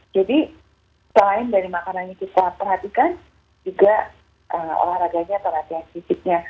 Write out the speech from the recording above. jadi selain dari makanannya kita perhatikan juga olahraganya atau latihan fisiknya